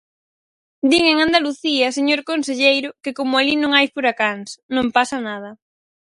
Din en Andalucía, señor conselleiro, que como alí non hai furacáns, non pasa nada.